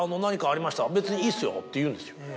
「別にいいっすよ」って言うんですよ。